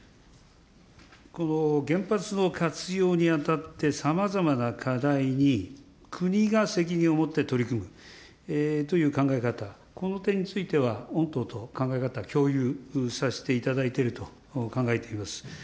この原発の活用にあたって、さまざまな課題に国が責任を持って取り組むという考え方、この点については、御党と考え方は共有させていただいていると考えています。